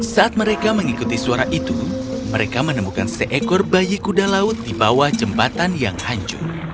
saat mereka mengikuti suara itu mereka menemukan seekor bayi kuda laut di bawah jembatan yang hancur